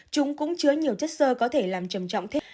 chúng cũng chứa nhiều chất sơ có thể làm trầm trọng thích